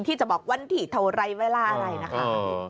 ที่จะบอกวันที่เท่าไรเวลาอะไรนะคะ